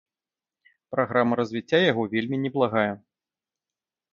Праграма развіцця яго вельмі неблагая.